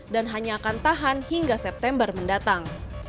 dan hanya akan tahan hingga september mendatang